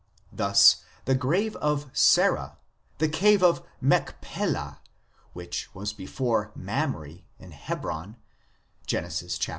2 Thus, the grave of Sarah, the cave of Macpelah "which was before Mamre " in Hebron (Gen. xxiii.)